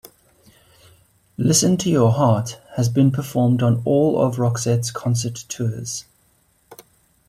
"Listen to Your Heart" has been performed on all of Roxette's concert tours.